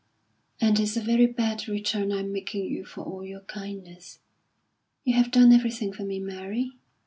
"And it's a very bad return I'm making you for all your kindness. You have done everything for me, Mary.